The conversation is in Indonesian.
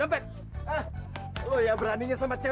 oh ya beraninya sama cewek aja